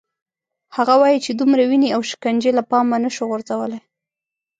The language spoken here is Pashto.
هغه وايي چې دومره وینې او شکنجې له پامه نه شو غورځولای.